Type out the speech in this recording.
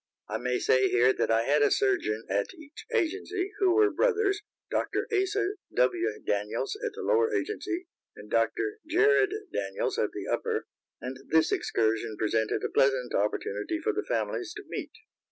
I may say here that I had a surgeon at each agency, who were brothers, Dr. Asa W. Daniels at the lower agency and Dr. Jared Daniels at the upper, and this excursion presented a pleasant opportunity for the families to meet.